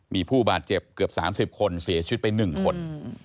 มีผู้บาดเจ็บเกือบ๓๐คนเสียชีวิตไป๑คน